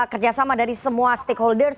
kerjasama dari semua stakeholders